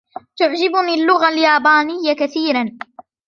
تعجبني اللغة اليابانية كثيرا.